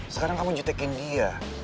sekarang kamu jutekin dia